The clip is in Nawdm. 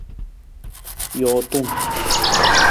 Jootung.